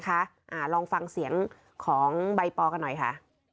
อ่าลองฟังเสียงของใบปอกันหน่อยค่ะ